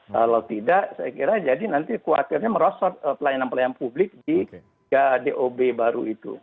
kalau tidak saya kira jadi nanti khawatirnya merosot pelayanan pelayanan publik di dob baru itu